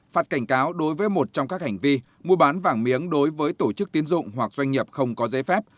phạt cảnh cáo đối với một trong các hành vi mua bán vàng miếng đối với tổ chức tiến dụng hoặc doanh nghiệp không có giấy phép